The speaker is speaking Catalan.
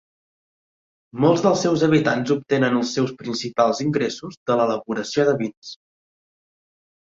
Molts dels seus habitants obtenen els seus principals ingressos de l'elaboració de vins.